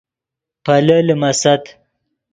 پیلے لیمیست